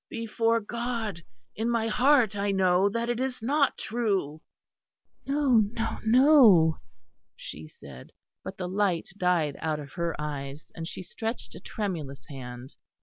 "Before God, in my heart I know that it is not true." "No, no, no," she said; but the light died out of her eyes, and she stretched a tremulous hand.